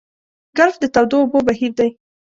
ګلف د تودو اوبو بهیر دی.